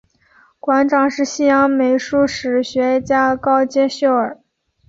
馆长是西洋美术史学家高阶秀尔。